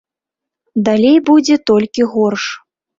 Далей будзе толькі горш.